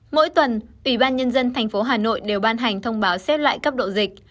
mỗi tuần ủy ban nhân dân tp hà nội đều ban hành thông báo xếp lại cấp độ dịch